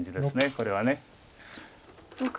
これは。